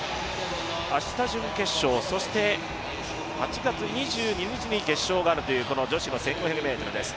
明日が準決勝、そして８月２２日に決勝があるというこの女子の１５００ｍです。